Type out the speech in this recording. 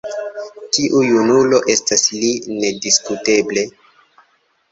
Tiu junulo estas li nediskuteble.